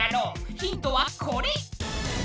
ヒントはこれ！